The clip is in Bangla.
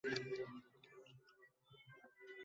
মনে হল তুমি কিছু বলতে চাও।